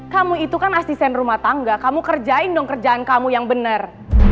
kamu itu kan asisten rumah tangga kamu kerjain dong kerjaan kamu yang benar